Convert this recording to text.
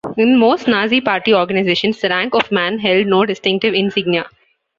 In most Nazi Party organizations, the rank of "Mann" held no distinctive insignia.